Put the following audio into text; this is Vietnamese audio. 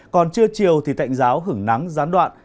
còn trưa chiều thì tạnh giáo hứng nắng gián đoạn